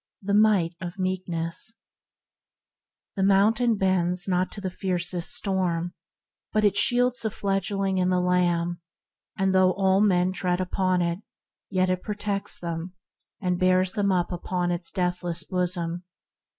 THE MIGHT OF MEEKNESS / TT V HE mountain bends not to the fiercest * storm, but it shields the fledgeling and the lamb; and though all men tread upon it, yet it protects them, and bears them up upon its deathless bosom.